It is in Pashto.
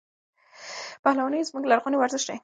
پهلواني زموږ لرغونی ورزش دی.